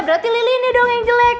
berarti lilinnya doang yang jelek